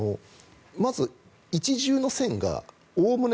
まず一重の線がおおむね